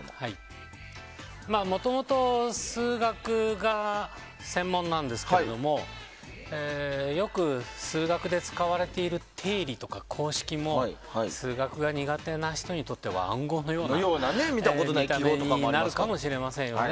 もともと、数学が専門なんですけれどもよく数学で使われている定理とか公式も数学が苦手な人にとっては暗号のような見た目になるかもしれませんよね。